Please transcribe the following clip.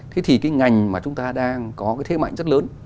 thế thì cái ngành mà chúng ta đang có cái thế mạnh rất lớn